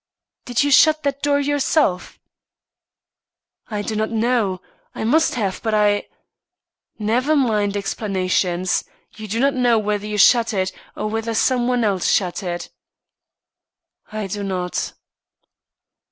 "Did you shut that door yourself?" "I do not know. I must have but I " "Never mind explanations. You do not know whether you shut it, or whether some one else shut it?" "I do not."